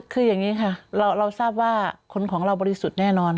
คืออย่างนี้ค่ะเราทราบว่าคนของเราบริสุทธิ์แน่นอน